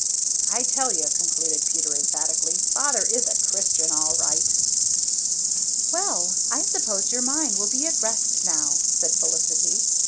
I tell you," concluded Peter emphatically, "father is a Christian all right." "Well, I suppose your mind will be at rest now," said Felicity.